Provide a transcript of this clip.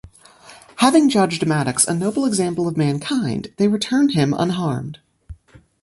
Having judged Maddox a noble example of mankind, they return him unharmed.